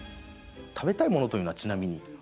食べたいものというのはちなみに。